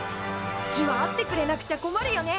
月はあってくれなくちゃ困るよね。